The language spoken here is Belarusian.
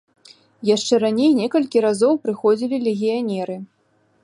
Яшчэ раней некалькі разоў прыходзілі легіянеры.